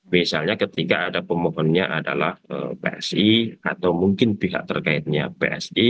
misalnya ketika ada pemohonnya adalah psi atau mungkin pihak terkaitnya psi